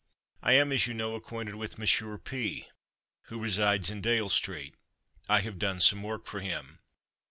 I am, as you know, acquainted with Monsieur P , who resides in Dale street; I have done some work for him.